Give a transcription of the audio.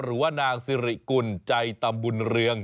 หรือว่านางสิริกุลใจตำบุญเรือง